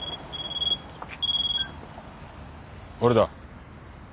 俺だ。